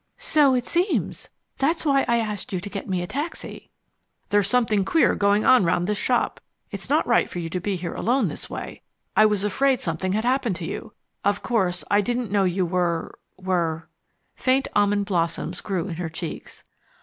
"So it seems. That's why I asked you to get me a taxi." "There's something queer going on round this shop. It's not right for you to be here alone this way. I was afraid something had happened to you. Of course, I didn't know you were were " Faint almond blossoms grew in her cheeks.